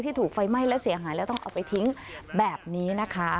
ถูกไฟไหม้และเสียหายแล้วต้องเอาไปทิ้งแบบนี้นะคะ